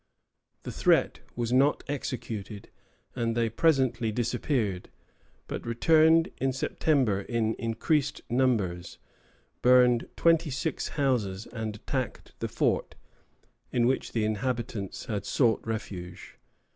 The threat was not executed, and they presently disappeared, but returned in September in increased numbers, burned twenty six houses and attacked the fort, in which the inhabitants had sought refuge.